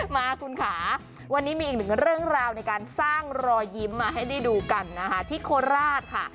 มาคุณค่ะวันนี้มีอีกหนึ่งเรื่องราวในการสร้างรอยยิ้มมาให้ได้ดูกันนะคะที่โคราชค่ะ